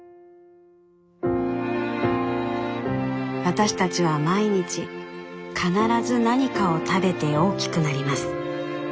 私たちは毎日必ず何かを食べて大きくなります。